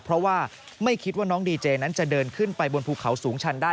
เพราะว่าไม่คิดว่าน้องดีเจนั้นจะเดินขึ้นไปบนภูเขาสูงชันได้